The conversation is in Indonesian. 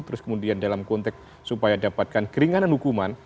terus kemudian dalam konteks supaya dapatkan keringanan hukuman